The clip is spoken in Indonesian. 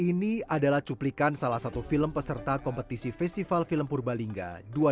ini adalah cuplikan salah satu film peserta kompetisi festival film purbalingga dua ribu dua puluh